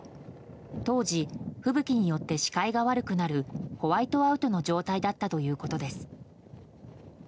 当時、吹雪によって視界が悪くなるホワイトアウトの状態だったということです。